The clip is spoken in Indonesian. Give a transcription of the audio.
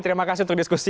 terima kasih untuk diskusi